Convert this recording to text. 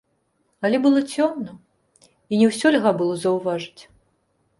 Але было цёмна, і не ўсё льга было заўважыць.